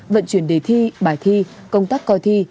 vận chuyển đề thi bài thi công tác coi thi